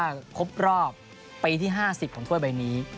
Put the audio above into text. โทรเม้นท์สำคัญเพราะว่าครบรอบปีที่๕๐ของถ่วยใบนี้